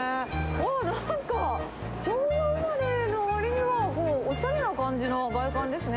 なんか昭和生まれのわりには、おしゃれな感じの外観ですね。